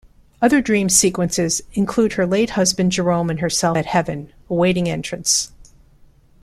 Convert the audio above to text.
Other dream sequences include her late husband Jerome and herself at Heaven, awaiting entrance.